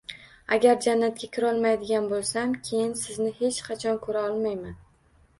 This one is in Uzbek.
Agar jannatga kirolmaydigan bo‘lsam, keyin sizni hech qachon ko‘ra olmayman